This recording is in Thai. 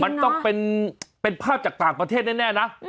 มันต้องเป็นภาพจากต่างประเทศแน่นะ